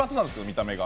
見た目が。